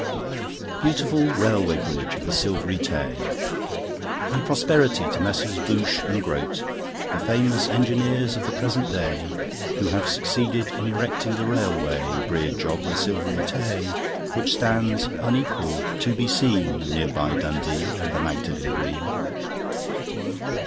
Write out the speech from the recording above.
Beautiful Railway Bridge of the Silvery Tay! And prosperity to Messrs Bouche and Grothe, The famous engineers of the present day, Who have succeeded in erecting The Railway Bridge of the Silvery Tay, Which stands unequalled to be seen Near by Dundee and the Magdalen Green.